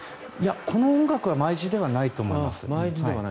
この音楽は毎時ではないと思います。